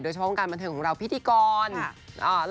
เฉพาะวงการบันเทิงของเราพิธีกร